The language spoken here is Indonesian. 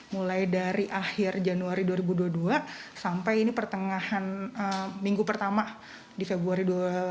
mulai dari akhir januari dua ribu dua puluh dua sampai ini pertengahan minggu pertama di februari dua ribu dua puluh